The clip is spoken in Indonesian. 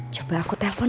coba aku telfon dong